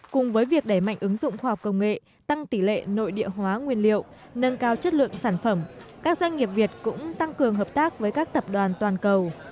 cùng với việc đẩy mạnh ứng dụng khoa học công nghệ tăng tỷ lệ nội địa hóa nguyên liệu nâng cao chất lượng sản phẩm các doanh nghiệp việt cũng tăng cường hợp tác với các tập đoàn toàn cầu